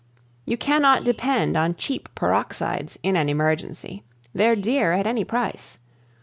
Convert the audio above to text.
You cannot depend on cheap Peroxides in an emergency. They're dear at any price.